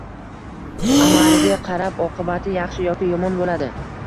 Amaliga qarab oqibati yaxshi yoki yomon bo‘ladi.